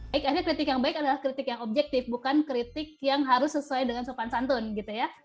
baik akhirnya kritik yang baik adalah kritik yang objektif bukan kritik yang harus sesuai dengan sopan santun gitu ya